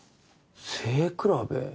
背比べ。